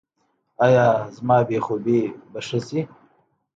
ایا زما بې خوبي به ښه شي؟